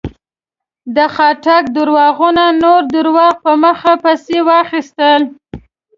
د خاټک درواغو نور درواغ په مخه پسې واخيستل.